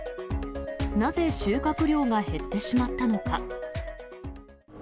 なぜ、収穫量が減ってしまったのか。